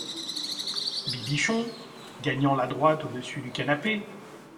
Bibichon, gagnant la droite au-dessus du canapé.